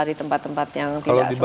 di tempat tempat yang tidak sebestinya